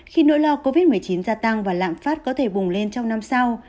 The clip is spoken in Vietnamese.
khi nỗi lo covid một mươi chín gia tăng và lạm phát có thể bùng lên trong năm sau